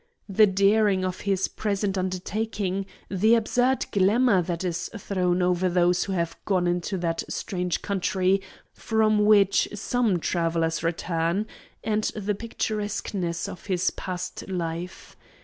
The daring of his present undertaking, the absurd glamour that is thrown over those who have gone into that strange country from which some travellers return, and the picturesqueness of his past life.